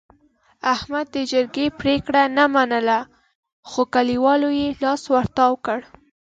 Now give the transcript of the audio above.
احمد د جرګې پرېګړه نه منله، خو کلیوالو یې لاس ورتاو کړ.